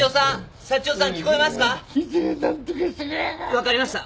分かりました。